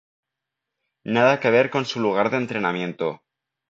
Nada que ver con su lugar de entrenamiento.